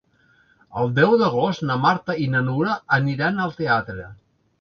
El deu d'agost na Marta i na Nura aniran al teatre.